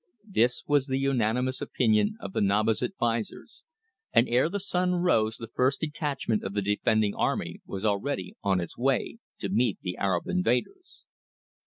This was the unanimous opinion of the Naba's advisers, and ere the sun rose the first detachment of the defending army was already on its way to meet the Arab invaders.